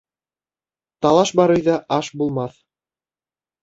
Талаш бар өйҙә аш булмаҫ.